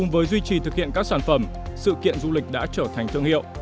vì thực hiện các sản phẩm sự kiện du lịch đã trở thành thương hiệu